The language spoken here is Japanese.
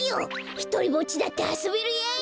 ひとりぼっちだってあそべるやい！